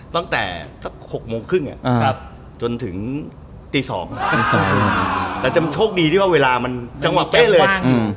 ตั้งแต่สัก๖โมงครึ่งจนถึงตี๒ตี๒แต่จะโชคดีที่ว่าเวลามันจังหวะเป๊ะเลย